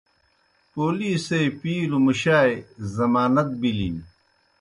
پولیسے پِیلوْ مُشائے ضمانت بِلِن۔